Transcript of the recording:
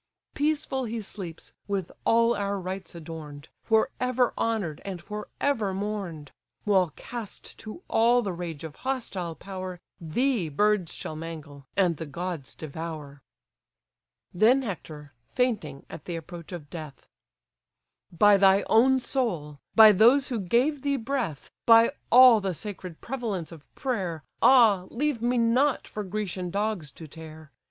Peaceful he sleeps, with all our rites adorn'd, For ever honour'd, and for ever mourn'd: While cast to all the rage of hostile power, Thee birds shall mangle, and the gods devour." Then Hector, fainting at the approach of death: "By thy own soul! by those who gave thee breath! By all the sacred prevalence of prayer; Ah, leave me not for Grecian dogs to tear!